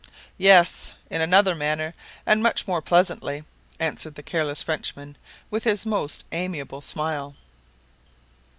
"Yes, in another manner, and much more pleasantly," answered the careless Frenchman with his most amiable smile.